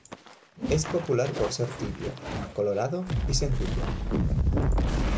Es popular por ser tibio, colorado y sencillo.